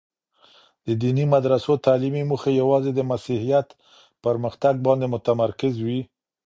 د دیني مدرسو تعلیمي موخې یوازي د مسیحیت پرمختګ باندې متمرکز وې.